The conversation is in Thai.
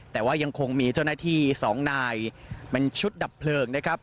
แต่ว่ายังคงมีเจ้าหน้าที่สองนายเป็นชุดดับเพลิงนะครับ